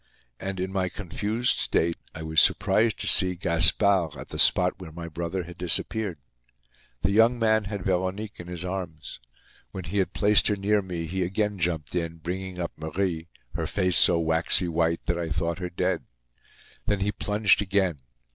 And, in my confused state, I was surprised to see Gaspard at the spot where my brother had disappeared. The young man had Veronique in his arms. When he had placed her near me he again jumped in, bringing up Marie, her face so waxy white that I thought her dead. Then he plunged again.